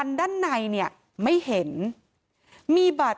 แต่ใช่แบบ